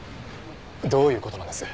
どういう事なんです？